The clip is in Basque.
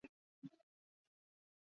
Honek topografia leuna izatea eragiten du.